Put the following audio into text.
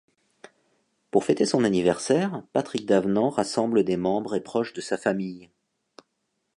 Pour fêter son anniversaire, Patrick Davenant rassemble des membres et proches de sa famille.